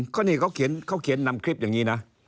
เขานี้เขาเขียนนำคลิปอย่างนี้